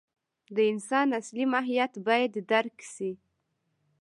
د انسان اصلي ماهیت باید درک شي.